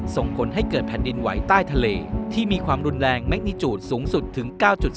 ส่งผลให้เกิดแผ่นดินไหวใต้ทะเลที่มีความรุนแรงแมคนิจูดสูงสุดถึง๙๔